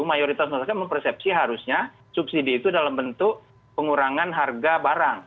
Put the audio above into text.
mayoritas masyarakat mempersepsi harusnya subsidi itu dalam bentuk pengurangan harga barang